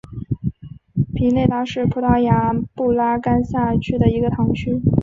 皮内拉是葡萄牙布拉干萨区的一个堂区。